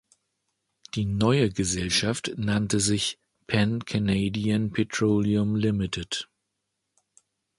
Die neue Gesellschaft nannte sich ”Pan Canadian Petroleum Limited“.